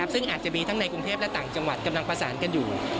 ซึ่งอาจจะมีทั้งในกรุงเทพและต่างจังหวัดกำลังประสานกันอยู่